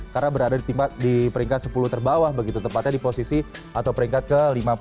karena berada di peringkat sepuluh terbawah begitu tepatnya di posisi atau peringkat ke lima puluh enam